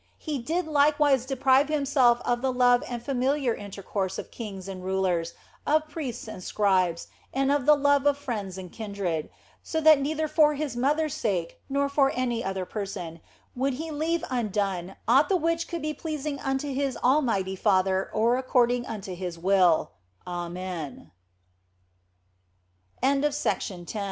He did likewise deprive Himself of the love and familiar intercourse of kings and rulers, of priests and scribes, and of the love of friends and kindred so that neither for Hrs mother s sake, nor for any other person, would He leave undone aught the which could be pleasing unto His Almighty Father or according unto His wi